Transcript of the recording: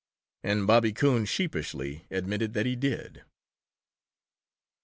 And Bobby Coon sheepishly admitted that he did.